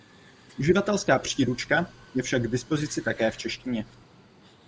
Uživatelská příručka je však k dispozici také v češtině.